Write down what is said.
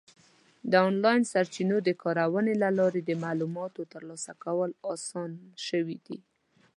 د آنلاین سرچینو د کارونې له لارې د معلوماتو ترلاسه کول اسان شوي دي.